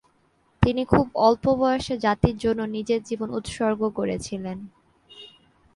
তিনি খুব অল্প বয়সে জাতির জন্য নিজের জীবন উৎসর্গ করেছিলেন।